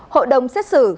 hội đồng xét xử